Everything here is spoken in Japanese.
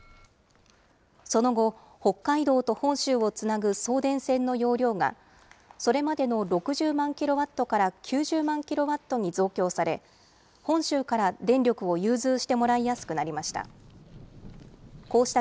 その後、北海道と本州をつなぐ送電線の容量が、それまでの６０万キロワットから９０万キロワットに増強され、本州から電力を融通してもらいやすくなりました。